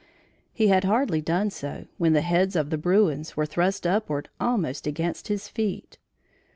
He had hardly done so, when the heads of the bruins were thrust upward almost against his feet.